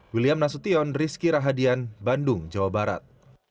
william nasution rizky rahadian bandung jawa barat